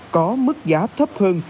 có mức giá thấp hơn